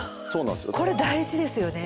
これ大事ですよね。